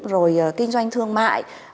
rồi kinh doanh thương mại